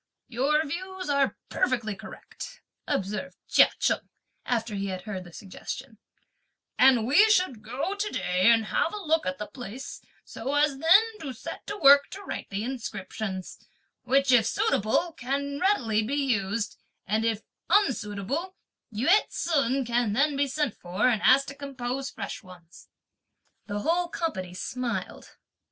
"Your views are perfectly correct," observed Chia Cheng, after he had heard their suggestion; "and we should go to day and have a look at the place so as then to set to work to write the inscriptions; which, if suitable, can readily be used; and, if unsuitable, Yü ts'un can then be sent for, and asked to compose fresh ones." The whole company smiled.